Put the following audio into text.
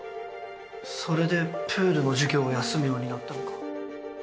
それでプールの授業を休むようになったのか。